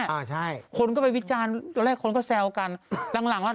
อ่าใช่คนก็ไปวิจารณ์ตอนแรกคนก็แซวกันหลังหลังว่า